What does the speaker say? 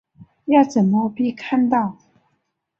要怎么被看到